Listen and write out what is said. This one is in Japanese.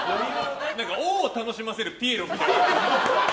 王を楽しませるピエロみたいな。